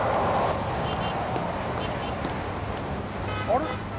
あれ！？